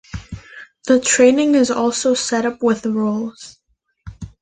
The training is also set up with roles.